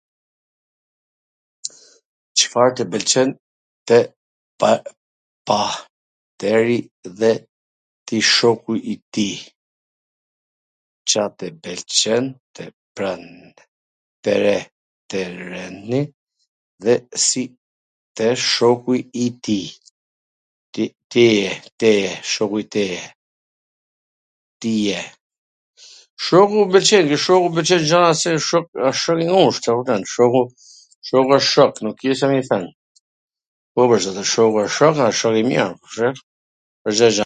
Cfar tw pwlqen te partneri dhe te shoku i tij? Shoku mw pwlqen, ke shoku mw pwlqen gjana se asht shok asht shok i ngusht, a kupton, shoku asht shok, nuk ke Ca me i thwn, po, pwr zotin, shoku a shok, shok i mir, pwr Cdo gja.